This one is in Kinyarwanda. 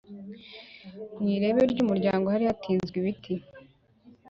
mu irebe ry umuryango hari hatinzwe ibiti